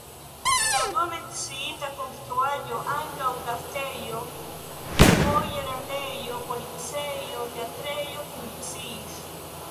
En la unua menciita konstruaĵo ankaŭ gastejo, foje lernejo, policejo, teatrejo funkciis.